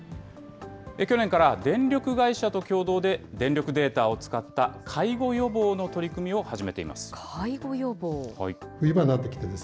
去年から電力会社と共同で、電力データを使った介護予防の取り組みを始めています。